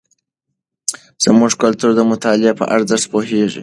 زموږ کلتور د مطالعې په ارزښت پوهیږي.